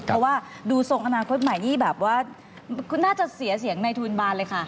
เพราะว่าดูทรงอนาคตใหม่นี่แบบว่าคุณน่าจะเสียเสียงในทุนบานเลยค่ะ